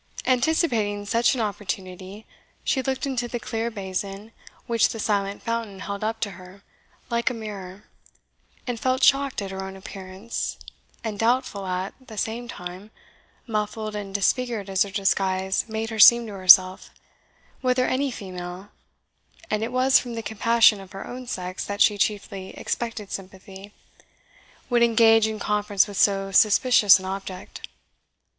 Anticipating such an opportunity, she looked into the clear basin which the silent fountain held up to her like a mirror, and felt shocked at her own appearance, and doubtful at; the same time, muffled and disfigured as her disguise made her seem to herself, whether any female (and it was from the compassion of her own sex that she chiefly expected sympathy) would engage in conference with so suspicious an object.